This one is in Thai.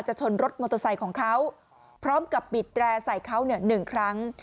ชนรถมอเตอร์ไซค์ของเขาพร้อมกับบิดแร่ใส่เขาเนี่ยหนึ่งครั้ง